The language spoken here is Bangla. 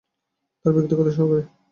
তার ব্যক্তিগত সহকারী।